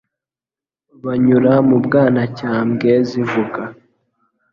Anyura mu Bwanacyambwe zivuga